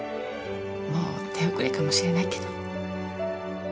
もう手遅れかもしれないけど。